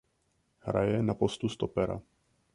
Hraje na postu stopera.